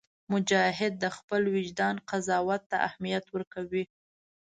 مجاهد د خپل وجدان قضاوت ته اهمیت ورکوي.